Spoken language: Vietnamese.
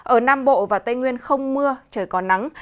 ở nam bộ và tây nguyên không mưa trời có nắng